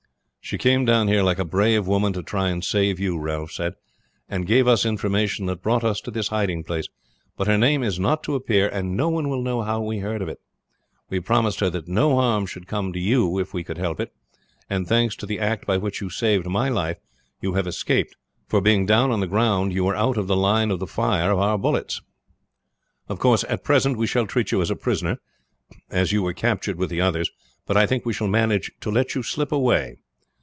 "She came down here like a brave woman to try and save you," Ralph said, "and gave us information that brought us to this hiding place; but her name is not to appear, and no one will know how we heard of it. We promised her that no harm should come to you if we could help it, and, thanks to the act by which you saved my life, you have escaped, for being down on the ground you were out of the line of the fire of our bullets. Of course at present we shall treat you as a prisoner, as you were captured with the others; but I think we shall manage to let you slip away.